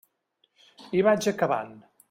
I vaig acabant.